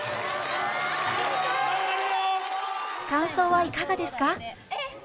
感想はいかがですか？